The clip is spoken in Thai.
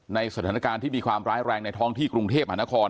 ในสถานการณ์ที่มีความร้ายแรงในท้องที่กรุงเทพมหานคร